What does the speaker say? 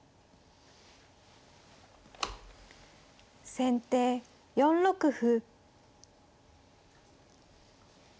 先手４六歩。